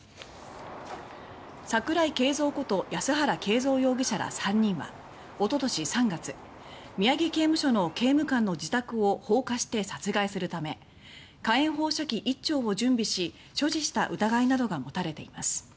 桜井景三こと安原景三容疑者ら３人はおととし３月宮城刑務所の刑務官の自宅を放火して殺害するため火炎放射器１丁を準備し所持した疑いなどが持たれています。